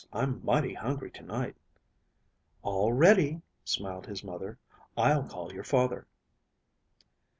"I'm mighty hungry tonight." "All ready," smiled his mother. "I'll call your father."